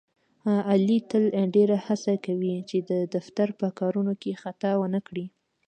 علي تل ډېره هڅه کوي، چې د دفتر په کارونو کې خطا ونه کړي.